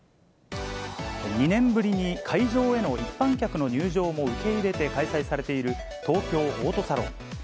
２年ぶりに会場への一般客の入場も受け入れて開催されている、東京オートサロン。